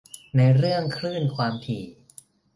ในเรื่องคลื่นความถี่